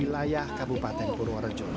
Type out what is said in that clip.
di wilayah kabupaten purworejo